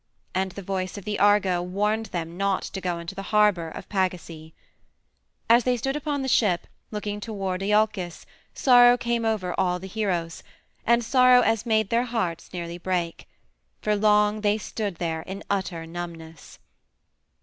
And the voice of Argo warned them not to go into the harbor of Pagasae. As they stood upon the ship, looking toward Iolcus, sorrow came over all the heroes, such sorrow as made their hearts nearly break. For long they stood there in utter numbness.